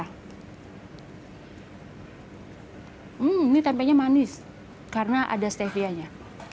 hmm ini tempenya manis karena ada stevianya